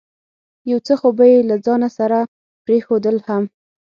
یو څه خو به یې له ځانه سره پرېښودل هم.